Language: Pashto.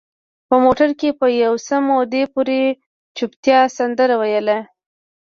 په موټر کې د یو څه مودې پورې چوپتیا سندره ویله.